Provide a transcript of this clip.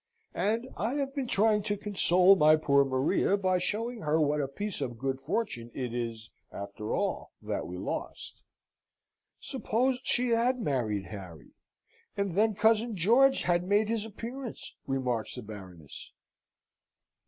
And I have been trying to console my poor Maria by showing her what a piece of good fortune it is after all, that we lost." "Suppose she had married Harry, and then cousin George had made his appearance?" remarks the Baroness.